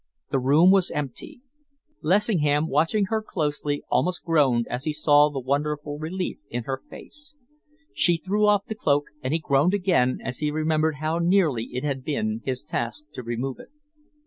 The room was empty. Lessingham, watching her closely, almost groaned as he saw the wonderful relief in her face. She threw off the cloak, and he groaned again as he remembered how nearly it had been his task to remove it.